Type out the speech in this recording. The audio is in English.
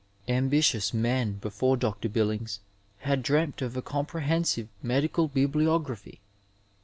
Ambi tious men before Dr. Billings had dreamt of a comprehen sive medical bibliography.